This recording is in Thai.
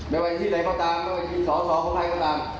ไม่ว่าที่ไหนเขาตามไม่ว่าที่สองสองเขาไหนเขาตาม